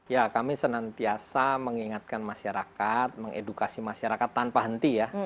ya kami senantiasa mengingatkan masyarakat mengedukasi masyarakat tanpa henti ya